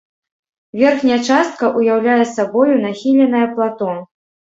Верхняя частка ўяўляе сабою нахіленае плато.